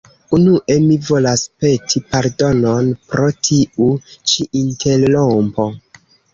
Unue mi volas peti pardonon pro tiu ĉi interrompo